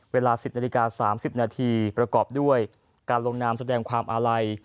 เวลา๑๐นาฬิกา๓๐นาทีประกอบด้วยการลงนามแสดงความอาลัย